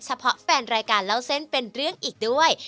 แฟนรายการเล่าเส้นเป็นเรื่องอีกด้วย